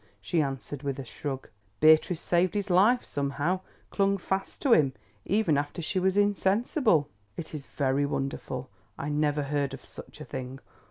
she answered with a shrug. "Beatrice saved his life somehow, clung fast to him even after she was insensible." "It is very wonderful. I never heard of such a thing.